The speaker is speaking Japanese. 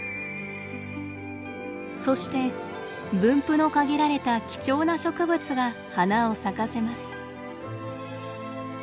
そして分布の限られた貴重な植物が花を咲かせます。